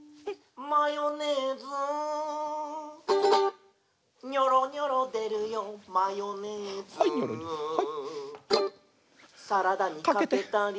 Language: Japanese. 「マヨネーズ」「ニョロニョロでるよマヨネーズ」「サラダにかけたり」